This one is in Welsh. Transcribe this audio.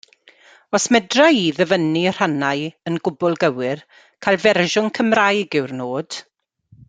Os medra i ddyfynnu rhannau yn gwbl gywir, cael fersiwn Cymraeg yw'r nod.